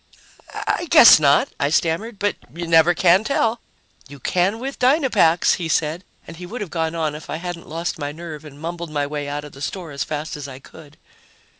"I guess not," I stammered. "But you never can tell." "You can with Dynapacks," he said, and he would have gone on if I hadn't lost my nerve and mumbled my way out of the store as fast as I could.